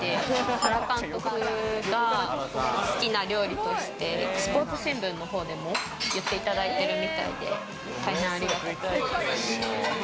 原監督が好きな料理としてスポーツ新聞の方でもいっていただいているみたいで、大変ありがたいです。